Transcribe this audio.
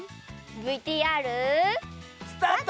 ＶＴＲ。スタート！